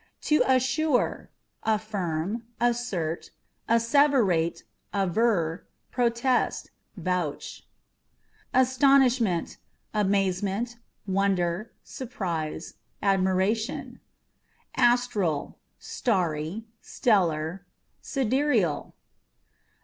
To Assure â€" affirm, assert, asseverate, aver, protest, vouch. Astonishment â€" amazement, wonder, surprise, admiration. Astral â€" starry, stellar, sidereal.